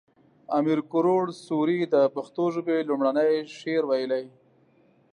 امیر کروړ سوري د پښتو ژبې لومړنی شعر ويلی